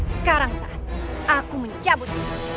sekarang saat aku mencabut ini